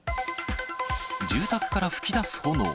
住宅から噴き出す炎。